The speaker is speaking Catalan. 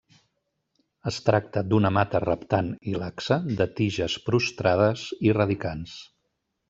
Es tracta d'una mata reptant i laxa, de tiges prostrades i radicants.